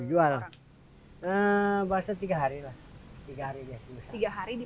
udah ini ini